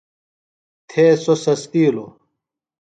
تھے سوۡ سستِیلوۡ۔